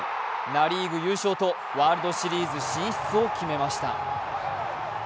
ナ・リーグ優勝とワールドシリーズ進出を決めました。